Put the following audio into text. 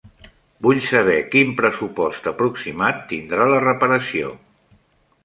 Vull saber quin pressupost aproximat tindrà la reparació.